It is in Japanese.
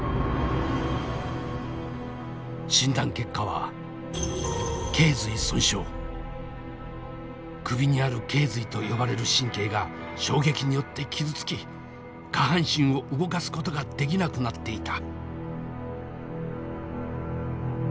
診断結果は首にある頸髄と呼ばれる神経が衝撃によって傷つき下半身を動かすことができなくなっていた。